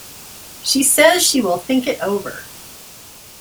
She says she will think it over.